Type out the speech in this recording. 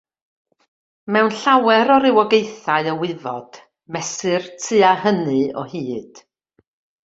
Mewn llawer o rywogaethau o wyfod mesur tua hynny o hyd